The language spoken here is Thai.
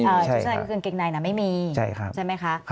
ชุดชั้นในก็คือกางเกงในไม่มีใช่ไหมคะ